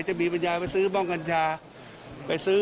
กรมแพทย์แผนไทยและแพทย์ทางเลือก